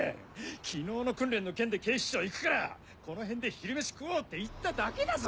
昨日の訓練の件で警視庁行くからこの辺で昼飯食おうって言っただけだぞ！